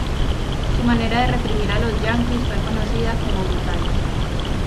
Su manera de reprimir a los yaquis fue conocida como brutal.